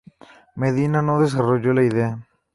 Medina no desarrolló la idea.